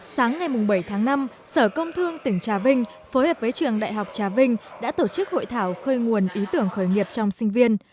sáng ngày bảy tháng năm sở công thương tỉnh trà vinh phối hợp với trường đại học trà vinh đã tổ chức hội thảo khơi nguồn ý tưởng khởi nghiệp trong sinh viên